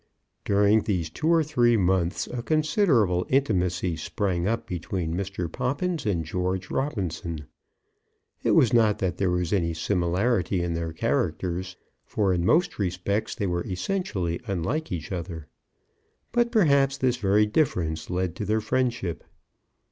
During these two or three months a considerable intimacy sprang up between Mr. Poppins and George Robinson. It was not that there was any similarity in their characters, for in most respects they were essentially unlike each other. But, perhaps, this very difference led to their friendship.